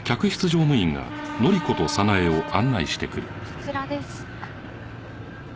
こちらです。